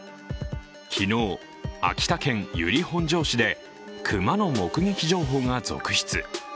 昨日、秋田県由利本荘市で熊の目撃情報が続出。